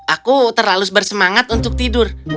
aku terlalu bersemangat untuk tidur